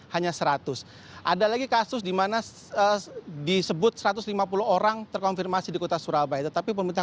hanya seratus ada lagi kasus dimana disebut satu ratus lima puluh orang terkonfirmasi di kota surabaya tetapi pemerintah